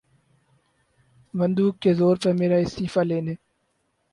بندوق کے زور پر میرا استعفیٰ لینے